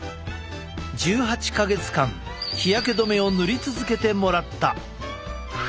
１８か月間日焼け止めを塗り続けてもらった。